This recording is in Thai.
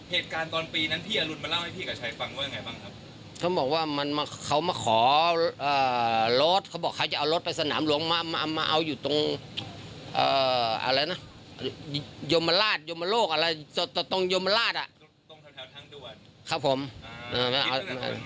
เหตุการณ์ตอนปีนั้นพี่อรุณมาเล่าให้พี่กับชัยฟังว่ายังไงบ้างครับเขาบอกว่ามันมาเขามาขอรถเขาบอกเขาจะเอารถไปสนามหลวงมามาเอาอยู่ตรงยมราชยมโลกอะไรตรงยมราชอ่ะตรงแถวทางด่วนครับผม